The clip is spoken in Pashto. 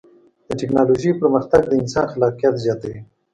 د ټکنالوجۍ پرمختګ د انسان خلاقیت زیاتوي.